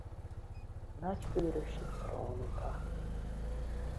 Nagy-Kőrösi Krónika.